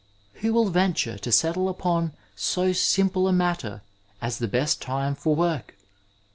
Who will venture to settie upon so simple a matter as the best time for work